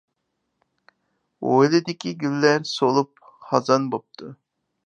ھويلىدىكى گۈللەر سولۇپ خازان بوپتۇ.